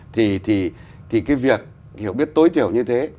thì cái việc hiểu biết tối thiểu như thế